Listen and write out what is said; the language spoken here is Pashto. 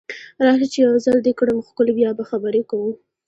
راشه چې یو ځل دې کړم ښکل بیا به خبرې کوو